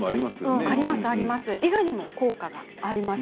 イガにも効果があります。